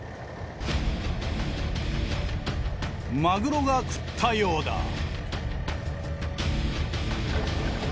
マグロが喰ったようだ。